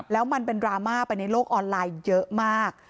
แล้วมันเป็นดราม่าไปในโลกออนไลน์เยอะมาก